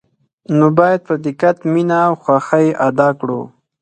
نو باید په دقت، مینه او خوښه یې ادا کړو.